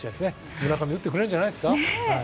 村上、打ってくれるんじゃないですか。